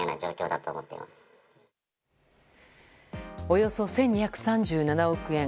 およそ１２３７億円。